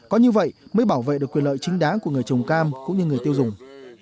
có như vậy mới bảo vệ được quyền lợi chính đáng của người trồng cam cũng như người tiêu dùng